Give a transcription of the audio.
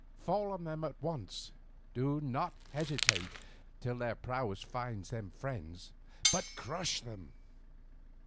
Fall on them at once, do not hesitate till their prowess finds them friends, but crush them."